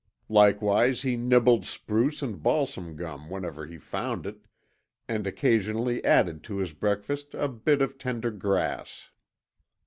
Likewise he nibbled spruce and balsam gum whenever he found it, and occasionally added to his breakfast a bit of tender grass.